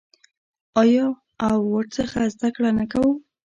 آیا او ورڅخه زده کړه نه کوو؟